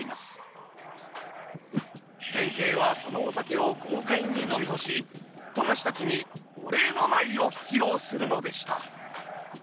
弁慶はそのお酒を豪快に飲み干し富樫たちにお礼の舞を披露するのでした。